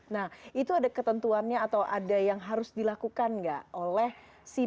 nah itu ada ketentuannya atau ada yang harus dilakukan nggak oleh si